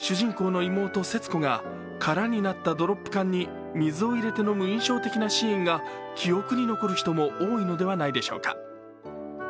映画「火垂るの墓」で描かれた主人公の妹・節子が空になったドロップ缶に水を入れて飲む印象的なシーンが記憶に残る人も多いのではないでしょうか。